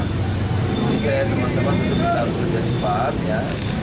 jadi sudah bisa ya teman teman kita harus belajar cepat ya